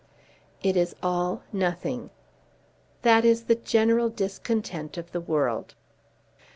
"It is all nothing." "That is the general discontent of the world."